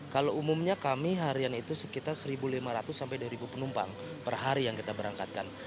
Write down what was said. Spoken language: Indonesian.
kalau umumnya kami harian itu sekitar satu lima ratus sampai dua penumpang per hari yang kita berangkatkan